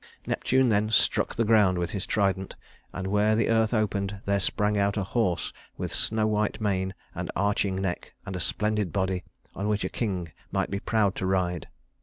Neptune then struck the ground with his trident, and where the earth opened there sprang out a horse with snow white mane and arching neck and a splendid body on which a king might be proud to ride.